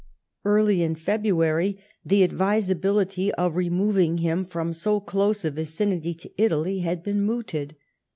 Early in February the advisability of removing him from so close a vicinity to Italy had been mooted.